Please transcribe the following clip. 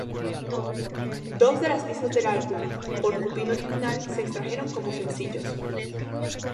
Dos de las pistas del álbum "Porcupine" original se extrajeron como sencillos.